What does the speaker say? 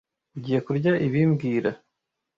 Ugiye kurya ibi mbwira